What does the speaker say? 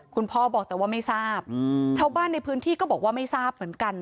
คุณพ่อบอกแต่ว่าไม่ทราบชาวบ้านในพื้นที่ก็บอกว่าไม่ทราบเหมือนกัน